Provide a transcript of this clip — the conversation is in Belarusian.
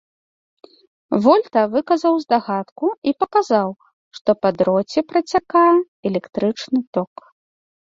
Вольта выказаў здагадку і паказаў, што па дроце працякае электрычны ток.